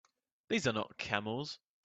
These are not camels!